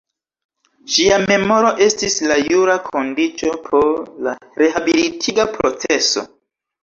Ŝia memoro estis la jura kondiĉo por la rehabilitiga proceso.